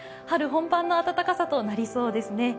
春本番の暖かさとなりそうですね。